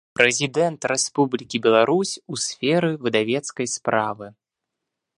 Прэзiдэнт Рэспублiкi Беларусь у сферы выдавецкай справы.